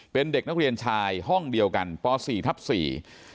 เป็นเด็กนักเรียนชายห้องเดียวกันปสี่ทับสี่